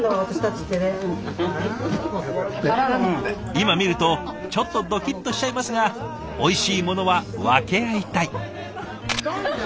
今見るとちょっとドキッとしちゃいますがおいしいものは分け合いたい。